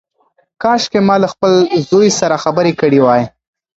کاشکي ما له خپل زوی سره خبرې کړې وای.